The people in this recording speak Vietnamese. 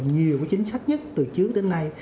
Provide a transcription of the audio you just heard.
nhiều cái chính sách nhất từ trước đến nay